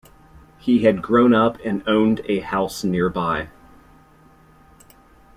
He had grown up and owned a house nearby.